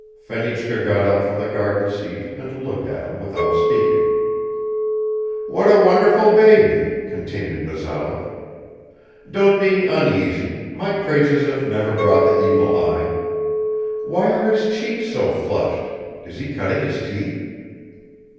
Fenichka got up from the garden seat and looked at him without speaking. "What a wonderful baby," continued Bazarov. "Don't be uneasy, my praises have never brought the evil eye. Why are his cheeks so flushed? Is he cutting his teeth?"